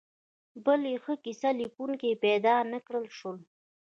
بل یې ښه کیسه لیکونکي پیدا نکړای شول.